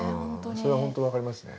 それはほんと分かりますね。